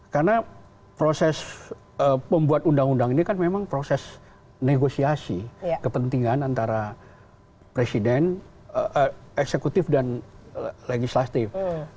karena proses pembuat undang undang ini kan memang proses negosiasi kepentingan antara eksekutif dan legislatif